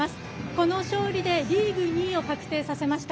この勝利でリーグ２位を確定させました。